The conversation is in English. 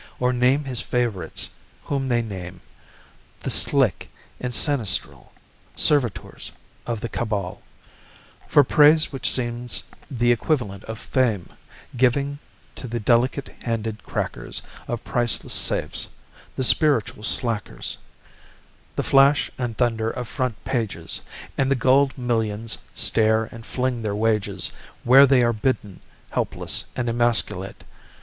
Or name his favorites, whom they name: The slick and sinistral, Servitors of the cabal, For praise which seems the equivalent of fame: Giving to the delicate handed crackers Of priceless safes, the spiritual slackers, The flash and thunder of front pages! And the gulled millions stare and fling their wages Where they are bidden, helpless and emasculate.